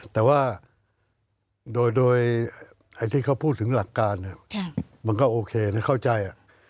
แต่ว่าโดยที่เขาพูดถึงหลักการมันก็โอเคนะเข้าใจ